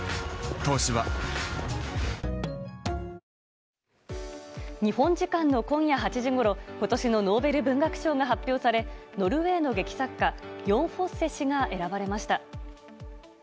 「東芝」日本時間の今夜８時ごろ今年のノーベル文学賞が発表されノルウェーの劇作家ヨン・フォッセ氏が選ばれました。